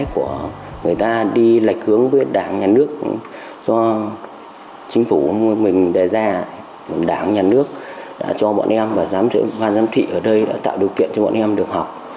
cơ quan chức năng việt nam đã tạo điều kiện cho bọn em được học